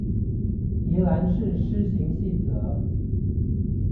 宜蘭市施行細則